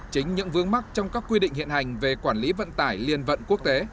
chính những vướng mắt trong các quy định hiện hành về quản lý vận tải liên vận quốc tế